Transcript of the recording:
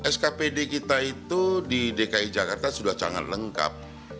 skpd kita itu di dki jakarta sudah sangat lengkap